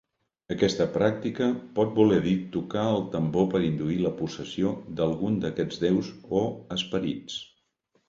Aquesta pràctica pot voler dir tocar el tambor per induir la possessió d'algun d'aquests déus o esperits.